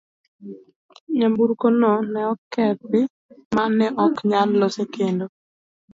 Nyamburko no ne okethi ma ne ok nyal lose kendo.